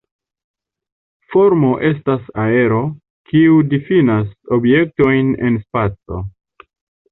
Formo estas areo, kiu difinas objektojn en spaco.